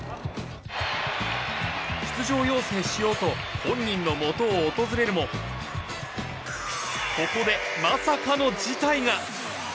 出場要請しようと本人のもとを訪れるもここでまさかの事態が。